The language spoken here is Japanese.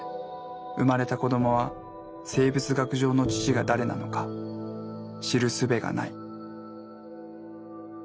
生まれた子どもは生物学上の父が誰なのか知るすべがない。